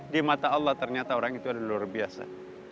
di mata allah ternyata orang itu ada luar biasa